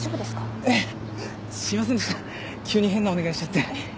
ええすいませんでした急に変なお願いしちゃって。